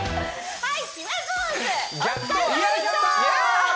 はい